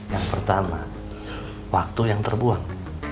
yang pertama waktu yang terbuang